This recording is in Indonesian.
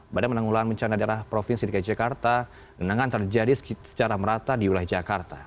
pada menanggulah mencanda darah provinsi di jakarta genangan terjadi secara merata di ulah jakarta